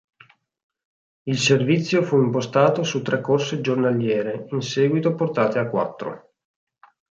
Il servizio fu impostato su tre corse giornaliere, in seguito portate a quattro.